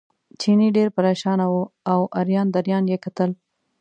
چیني ډېر پرېشانه و او اریان دریان یې کتل.